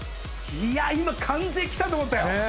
今完全に来たと思ったよ。